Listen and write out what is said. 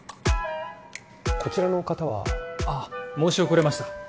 こちらの方はあっ申し遅れました